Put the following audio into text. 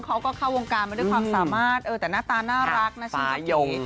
เขาก็เข้าวงการมาด้วยความสามารถแต่หน้าตาน่ารักน่าชื่นชม